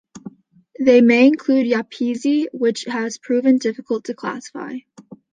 They may include Yapese, which has proven difficult to classify.